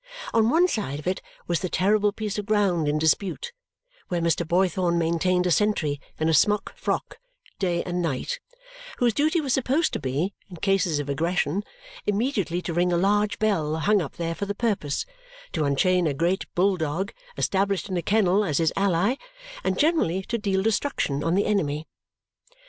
On one side of it was the terrible piece of ground in dispute, where Mr. Boythorn maintained a sentry in a smock frock day and night, whose duty was supposed to be, in cases of aggression, immediately to ring a large bell hung up there for the purpose, to unchain a great bull dog established in a kennel as his ally, and generally to deal destruction on the enemy.